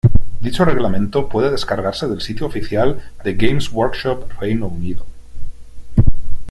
Dicho reglamento puede descargarse del sitio oficial de Games Workshop Reino Unido.